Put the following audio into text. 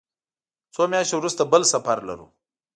څو میاشتې وروسته بل سفر لرو.